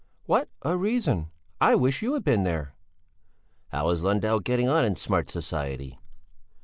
"What a reason! I wish you'd been there!" "How is Lundell getting on in smart society?"